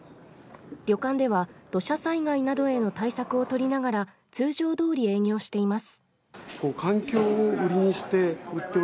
旅館では土砂災害などへの対策をとりながら、通常通り営業しています。